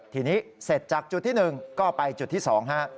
ทีนี้เสร็จจากจุดที่๑ก็ไปจุดที่๒ฮะ